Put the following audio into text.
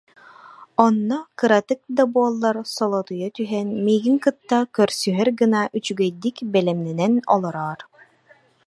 Онно кыратык да буоллар, солотуйа түһэн, миигин кытта көрсүһэр гына, үчүгэйдик бэлэмнэнэн олороор